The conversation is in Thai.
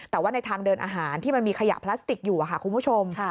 แต่ว่าในทางเดินอาหารที่มันมีขยะพลาสติกอยู่ค่ะคุณผู้ชม